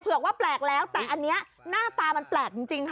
กว่าแปลกแล้วแต่อันนี้หน้าตามันแปลกจริงค่ะ